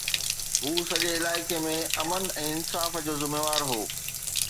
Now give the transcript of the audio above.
هو سڄي علائقي ۾ امن ۽ انصاف جو ذميوار هو.